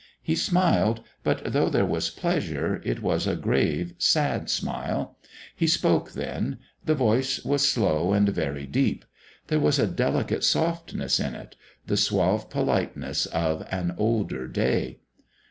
He smiled, but though there was pleasure, it was a grave, sad smile. He spoke then: the voice was slow and very deep. There was a delicate softness in it, the suave politeness of an older day.